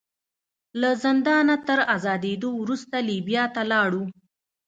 له زندانه تر ازادېدو وروسته لیبیا ته لاړ.